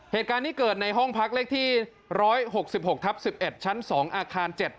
เหตุการณ์นี้เกิดในห้องพักเลขที่๑๖๖ทับ๑๑ชั้น๒อาคาร๗